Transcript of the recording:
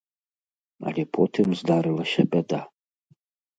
Але потым здарылася бяда.